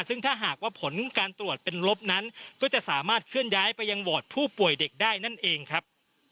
ซึ่งถ้าหากว่าผลการตรวจเป็นลบนั้นก็จะสามารถเคลื่อนย้ายไปยังวอร์ดผู้ป่วยเด็กได้นั่นเองครับ